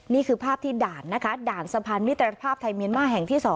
นี่คือภาพที่ด่านนะคะด่านสะพานมิตรภาพไทยเมียนมาร์แห่งที่๒